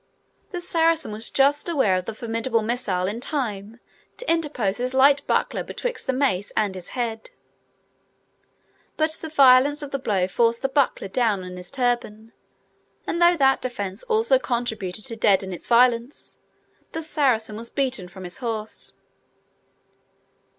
The Saracen was just aware of the formidable missile in time to interpose his light buckler betwixt the mace and his head; but the violence of the blow forced the buckler down on his turban, and though that defence also contributed to deaden its violence, the Saracen was beaten from his horse.